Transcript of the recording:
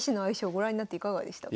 ご覧になっていかがでしたか？